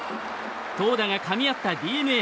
投打がかみ合ったＤｅＮＡ。